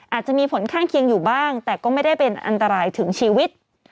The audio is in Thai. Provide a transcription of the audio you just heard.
อาจจะมีผลข้างเคียงอยู่บ้างแต่ก็ไม่ได้เป็นอันตรายถึงชีวิต